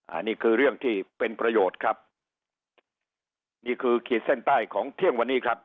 อันนี้คือเรื่องที่เป็นประโยชน์ครับนี่คือขีดเส้นใต้ของเที่ยงวันนี้ครับ